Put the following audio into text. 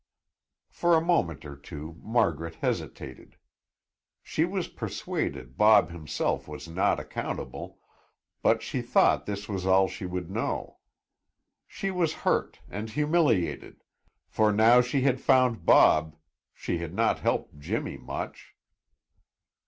For a moment or two Margaret hesitated. She was persuaded Bob himself was not accountable, but she thought this was all she would know. She was hurt and humiliated, for now she had found Bob she had not helped Jimmy much.